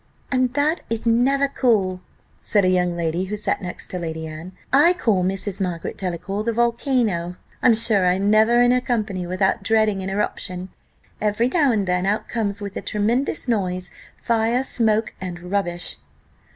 "And that is never cool," said a young lady, who sat next to Lady Anne. "I call Mrs. Margaret Delacour the volcano; I'm sure I am never in her company without dreading an eruption. Every now and then out comes with a tremendous noise, fire, smoke, and rubbish."